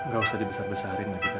gak usah dibesar besarin lagi tan